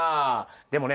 でもね